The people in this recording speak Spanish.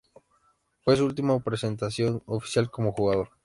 Fue su última presentación oficial como jugador.